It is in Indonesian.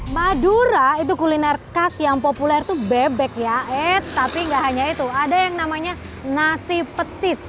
madura itu kuliner khas yang populer itu bebek ya eits tapi gak hanya itu ada yang namanya nasi petis